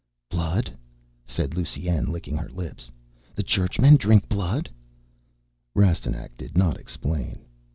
"Blood?" said Lusine, licking her lips. "The Churchmen drink blood?" Rastignac did not explain.